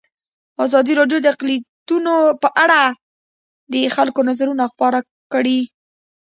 ازادي راډیو د اقلیتونه په اړه د خلکو نظرونه خپاره کړي.